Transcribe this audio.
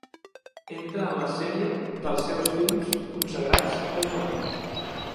Entra en la sèrie dels seus films consagrats a Irlanda.